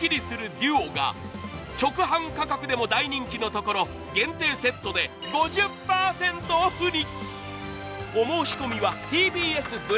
ＤＵＯが直販価格でも大人気のところ限定セットで５０％オフに。